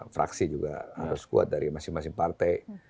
fraksi juga harus kuat dari masing masing partai